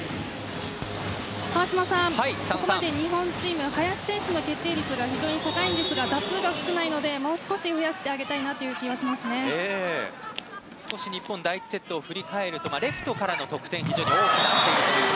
川島さん、ここまで日本チーム林選手の決定率が非常に高いのですが打数が少ないのでもう少し増やしてあげたい少し日本第１セットを振り返るとレフトからの得点が多くなっていると。